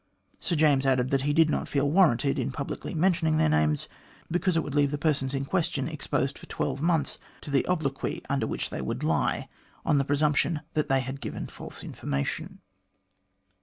Sir James added that he did not feel warranted in publicly mentioning their names, because it would leave the persons in question exposed for twelve months to the obloquy under which they would lie, on the presumption that they had given false information.